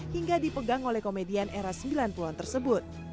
hingga dipegang oleh komedian era sembilan puluh an tersebut